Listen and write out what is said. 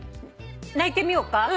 鳴いてみようか？